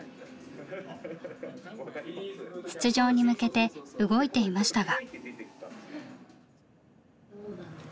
出場に向けて動いていましたが。